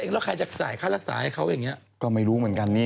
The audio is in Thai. ลุงคนนี้เขาพาวัยรุ่นที่ถูกแทงนี่